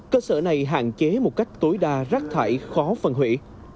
cơ sở này hạn chế một cách tối đa rác thải khó phân hủy